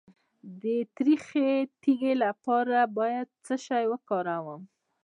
د تریخي د تیږې لپاره باید څه شی وکاروم؟